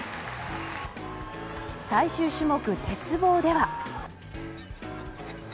最終種目、鉄棒では。